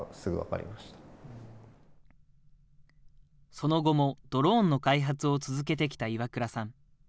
その後もドローンの開発を続けてきた岩倉さん。